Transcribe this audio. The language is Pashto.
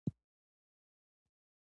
زه د خپلي ژبي او فرهنګ درناوی کوم.